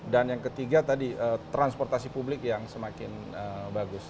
dan yang ketiga tadi transportasi publik yang semakin bagus